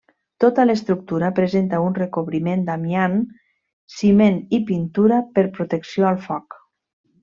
Tota l'estructura presenta un recobriment d'amiant, ciment i pintura per protecció al foc.